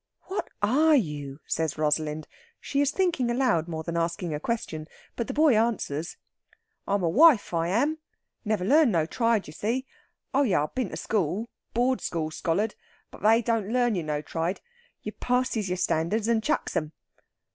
"What are you?" says Rosalind. She is thinking aloud more than asking a question. But the boy answers: "I'm a wife, I am. Never learned no tride, ye see!... Oh yes; I've been to school board school scollard. But they don't learn you no tride. You parses your standards and chucks 'em."